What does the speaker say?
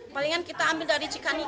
palingan kita ambil dari cikanik